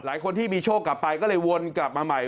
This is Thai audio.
คนที่มีโชคกลับไปก็เลยวนกลับมาใหม่